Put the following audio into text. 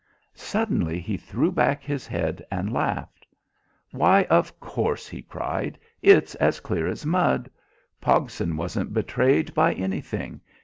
Suddenly he threw back his head and laughed. "Why, of course," he cried, "it's as clear as mud. Pogson wasn't betrayed by anything.